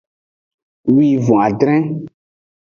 Wivon-adre.